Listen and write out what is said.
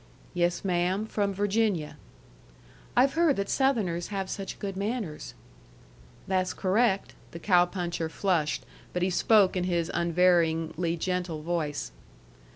"Yes, ma'am, from Virginia." "I've heard that Southerners have such good manners." "That's correct." The cow puncher flushed, but he spoke in his unvaryingly gentle voice.